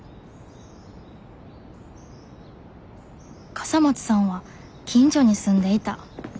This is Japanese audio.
笠松さんは近所に住んでいた。